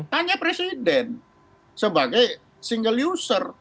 tanya presiden sebagai single user